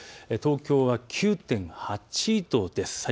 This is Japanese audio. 東京は９．８度です。